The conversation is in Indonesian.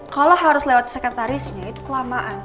kalau harus lewat sekretarisnya itu kelamaan